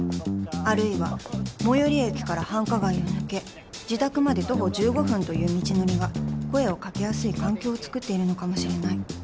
あるいは最寄り駅から繁華街を抜け自宅まで徒歩１５分という道のりが声を掛けやすい環境をつくっているのかもしれない